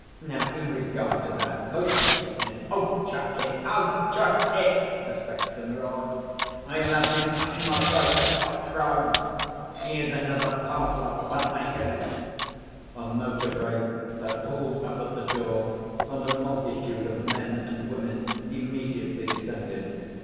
Now, in regard to that votin' business ' 'Chuck it! Oh, chuck it!' the sexton roared, 'or you'll 'ave me cuttin' my throat at cock crow. 'Ere's another parcel of fun makers!' A motor brake had pulled up at the door and a multitude of men and women immediately descended.